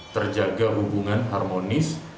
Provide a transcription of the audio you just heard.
terjaga hubungan harmonis